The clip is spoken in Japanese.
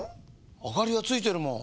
あかりはついてるもん。